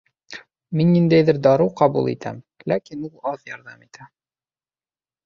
Мин ниндәйҙер дарыу ҡабул итәм, ләкин ул аҙ ярҙам итә